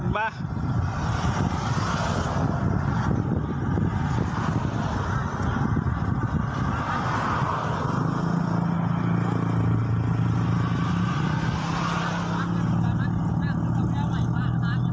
บ้า